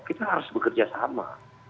kita harus bekerja sama